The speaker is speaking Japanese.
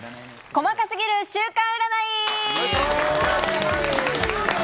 細かすぎる週間占い！